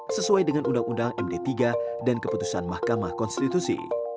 sesuai dengan undang undang md tiga dan keputusan mahkamah konstitusi